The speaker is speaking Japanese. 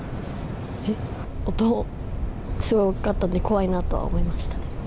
音、すごく大きかったので怖いなとは思いました。